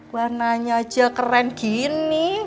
warnanya aja keren gini